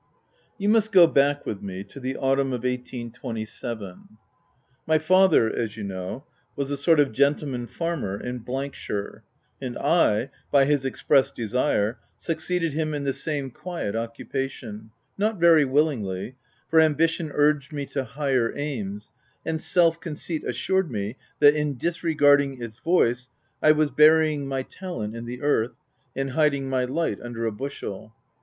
You must go back with me to the autumn of 1827. My father, as you know, was a sort of gentle man farmer in shire ; and I, by his express desire, succeeded him in the same quiet occu pation, not very willingly, for ambition urged me to higher aims, and self conceit assured me that, in disregarding its voice, I was burying my talent in the earth, and hiding my light under a bushel.